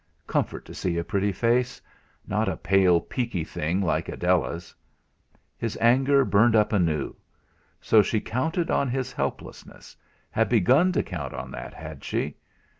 Comfort to see a pretty face not a pale, peeky thing like Adela's. His anger burned up anew. So she counted on his helplessness, had begun to count on that, had she?